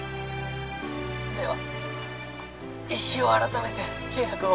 では日を改めて契約を。